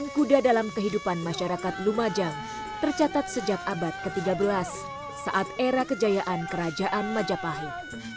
kuda dalam kehidupan masyarakat lumajang tercatat sejak abad ke tiga belas saat era kejayaan kerajaan majapahit